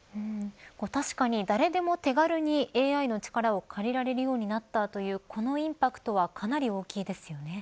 確かに誰でも手軽にＡＩの力を借りられるようになったというインパクトはかなり大きいですよね。